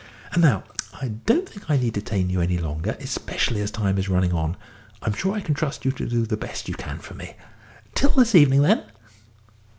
And now, I don't think I need detain you any longer, especially as time is running on. I'm sure I can trust you to do the best you can for me. Till this evening, then."